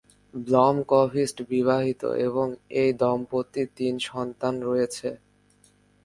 Blomkvist বিবাহিত এবং এই দম্পতির তিন সন্তান রয়েছে।